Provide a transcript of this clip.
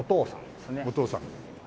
お父さん。